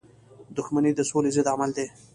• دښمني د سولی ضد عمل دی.